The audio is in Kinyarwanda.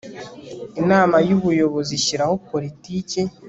inama y'ubuyobozi ishyiraho politiki